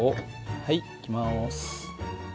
はいいきます。